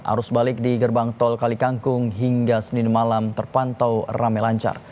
arus balik di gerbang tol kalikangkung hingga senin malam terpantau rame lancar